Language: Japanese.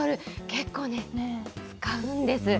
結構ね、使うんです。